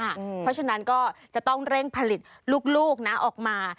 เพราะฉะนั้นก็จะต้องเร่งผลิตลูกนะออกมา